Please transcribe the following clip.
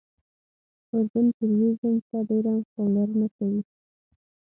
اردن ټوریزم ته ډېره پاملرنه کوي.